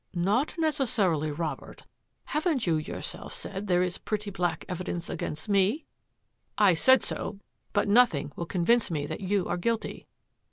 " Not necessarily Robert. Haven't you your self said that there Is pretty black evidence against me? "" I said so, but nothing will convince me that you are guilty."